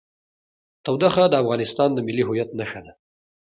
تودوخه د افغانستان د ملي هویت نښه ده.